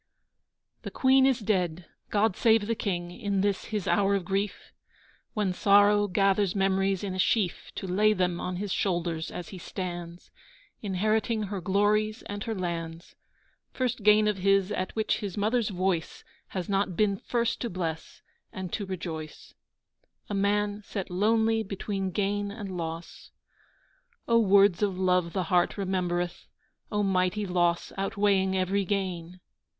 THE Queen is dead. God save the King, In this his hour of grief, When sorrow gathers memories in a sheaf To lay them on his shoulders as he stands Inheriting her glories and her lands First gain of his at which his Mother's voice Has not been first to bless and to rejoice A man, set lonely between gain and loss. (O words of love the heart remembereth, O mighty loss outweighing every gain!)